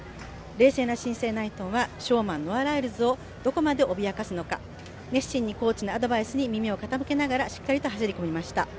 冷静な新星・ナイトンはショーマン、ノア・ライルズをどこまで脅かすのか、熱心にコーチの言葉に耳を傾けながらしっかりと走り込みました。